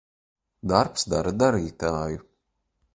Darbs dara dar?t?ju.